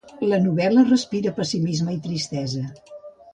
La novel·la respira pessimisme i tristesa.